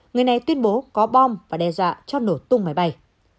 người này tuyên bố có bom và đe dọa cho nổ tung máy bay